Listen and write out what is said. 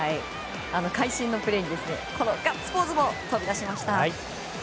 会心のプレーでガッツポーズも飛び出しました。